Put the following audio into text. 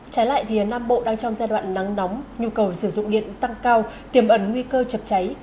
trái lại thì nam bộ đang trong giai đoạn nắng nóng nhu cầu sử dụng điện tăng cao tiềm ẩn nguy cơ chập cháy